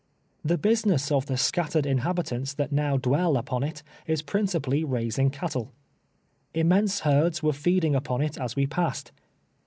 Tlie business of the scattered inhabitants that now dwell upon it is prin cipally raising cattle. Immense herds were feeding upon it as we passed.